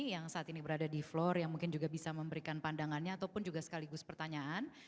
yang saat ini berada di floor yang mungkin juga bisa memberikan pandangannya ataupun juga sekaligus pertanyaan